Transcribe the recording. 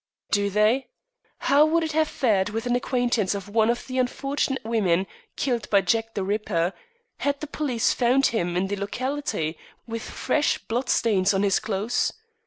"Do they? How would it have fared with an acquaintance of one of the unfortunate women killed by Jack the Ripper had the police found him in the locality with fresh blood stains on his clothes?